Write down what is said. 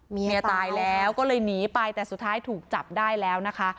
เมียตายแล้วก็เลยหนีไปแต่สุดท้ายถูกจับได้แล้วนะคะ